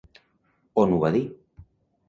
On ho va dir?